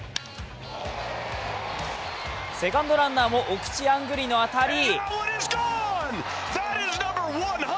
セカンドランナーもお口あんぐりの当たり。